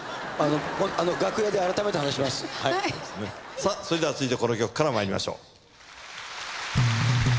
さあそれでは続いてこの曲からまいりましょう。